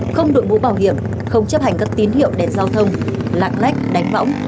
không đội mũ bảo hiểm không chấp hành các tín hiệu đèn giao thông lạng lách đánh võng